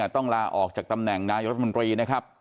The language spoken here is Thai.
ต้องลาออกจากตำแหน่งนายรัฐมนตรีนะครับ